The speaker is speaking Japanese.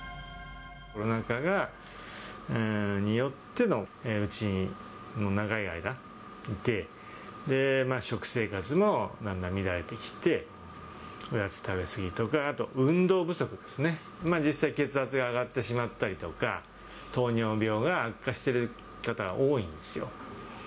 コロナ禍によってのうちに長い間いて、食生活の、だんだん乱れてきて、おやつ食べ過ぎとか、あと運動不足ですね、実際、血圧が上がってしまったりとか、糖尿病が悪化してる方は多いんですよ。